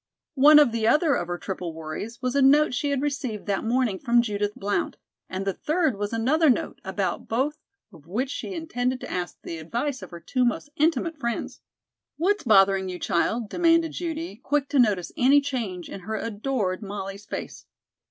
One of the other of her triple worries was a note she had received that morning from Judith Blount, and the third was another note, about both of which she intended to ask the advice of her two most intimate friends. "What's bothering you, child?" demanded Judy, quick to notice any change in her adored Molly's face.